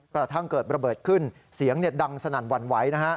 กระทั่งเกิดระเบิดขึ้นเสียงดังสนั่นหวั่นไหวนะฮะ